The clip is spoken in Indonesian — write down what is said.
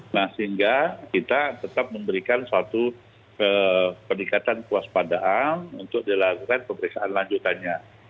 nah sehingga kita tetap memberikan suatu peningkatan kewaspadaan untuk dilakukan pemeriksaan lanjutannya